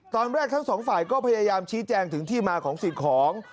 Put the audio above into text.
ทั้งสองฝ่ายก็พยายามชี้แจงถึงที่มาของสิ่งของ